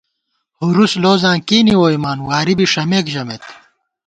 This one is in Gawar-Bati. ہُرُوس لوزاں کېنے ووئیمان واری بی ݭَمېک ژَمېت